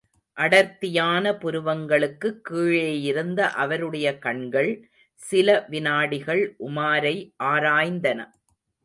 அடர்த்தியான புருவங்களுக்குக் கீழேயிருந்த அவருடைய கண்கள் சில வினாடிகள் உமாரை ஆராய்ந்தன.